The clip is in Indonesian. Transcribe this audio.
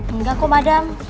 enggak kok madam